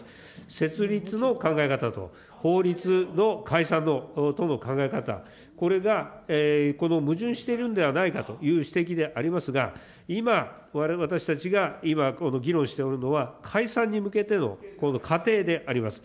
設立の考え方と法律の解散との考え方、これがこの矛盾しているんではないかという指摘でありますが、今、私たちが今、議論しておるのは、解散に向けての過程であります。